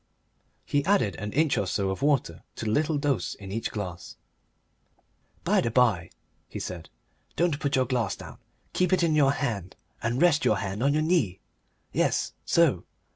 He added an inch or so of water to the little dose in each glass. "By the by," he said, "don't put your glass down. Keep it in your hand and rest your hand on your knee. Yes so.